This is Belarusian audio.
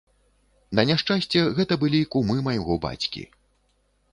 На няшчасце, гэта былі кумы майго бацькі.